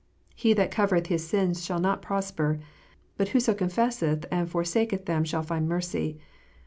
"He that covereth his sins shall not prosper : but whoso confesseth and forsaketh them shall find mercy."